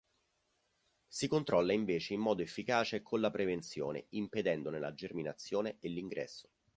Si controlla invece in modo efficace con la prevenzione impedendone la germinazione e l'ingresso.